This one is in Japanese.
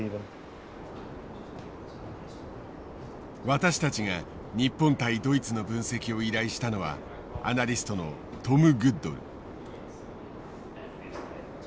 私たちが日本対ドイツの分析を依頼したのはアナリストのトム・グッドル。